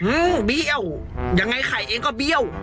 เบี้ยวยังไงไข่เองก็เบี้ยว